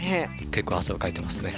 結構汗をかいてますね。